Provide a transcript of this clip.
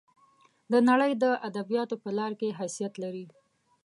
د نړۍ د ادبیاتو په لار کې حیثیت لري.